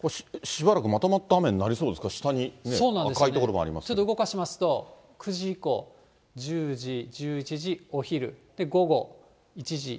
しばらくまとまった雨になりそうですか、ちょっと動かしますと、９時以降、１０時、１１時、お昼、午後１時、２時、３時、